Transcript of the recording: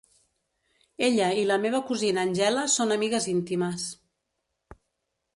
Ella i la meva cosina Angela són amigues íntimes.